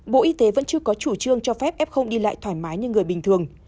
bộ y tế vẫn chưa có chủ trương cho phép f không đi lại thoải mái như người bình thường